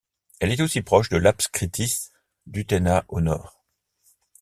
Elle est aussi proche de l'Apskritis d'Utena au nord.